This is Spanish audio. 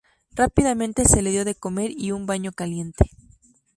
Rápidamente se le dio de comer y un baño caliente.